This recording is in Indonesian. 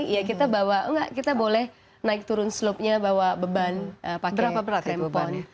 ya kita bawa oh nggak kita boleh naik turun slope nya bawa beban pakai crampon